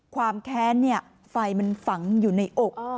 ความแค้นไฟมันฝังอยู่ในอก